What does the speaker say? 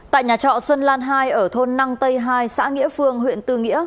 tại nhà trọ xuân lan hai ở thôn năng tây hai xã nghĩa phương huyện tư nghĩa